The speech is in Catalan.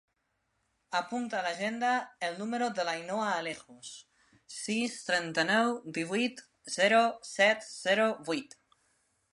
Apunta a l'agenda el número de l'Ainhoa Alejos: sis, trenta-nou, divuit, zero, set, zero, vuit.